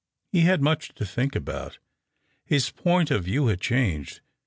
He had much to think about. His point of view had changed.